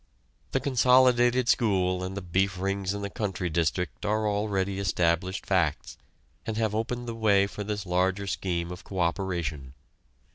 The consolidated school and the "Beef rings" in the country district are already established facts, and have opened the way for this larger scheme of coöperation.